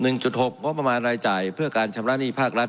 จุดหกงบประมาณรายจ่ายเพื่อการชำระหนี้ภาครัฐ